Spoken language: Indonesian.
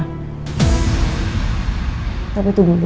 tapi itu dulu